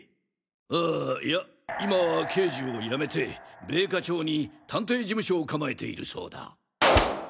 あぁいや今は刑事を辞めて米花町に探偵事務所を構えているそうだ。